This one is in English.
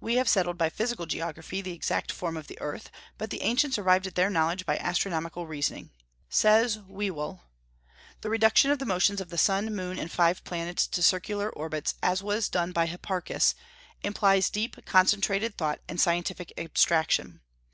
We have settled by physical geography the exact form of the earth, but the ancients arrived at their knowledge by astronomical reasoning. Says Whewell: "The reduction of the motions of the sun, moon, and five planets to circular orbits, as was done by Hipparchus, implies deep concentrated thought and scientific abstraction.